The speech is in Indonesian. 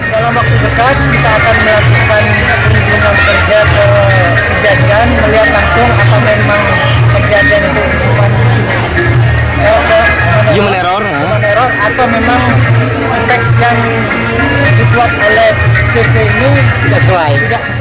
perjalanan itu bukan human error atau memang spek yang dibuat oleh sirte ini tidak sesuai